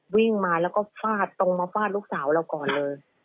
วิ่งมาแล้วก็ฟาดตรงมาฟาดลูกสาวเราก่อนเลย